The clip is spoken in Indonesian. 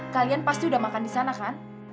kalian pasti udah makan di sana kan